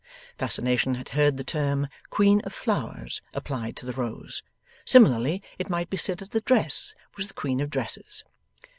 Fascination had heard the term Queen of Flowers applied to the Rose. Similarly, it might be said that the dress was the Queen of Dresses.